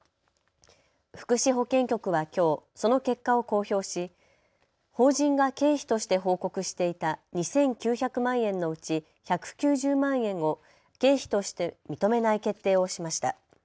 福祉保健局はきょうその結果を公表し法人が経費として報告していた２９００万円のうち１９０万円を経費として認めない決定をしました。